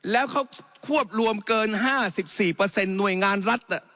แล้วเขาควบรวมเกิน๕๔หน่วยงานรัฐ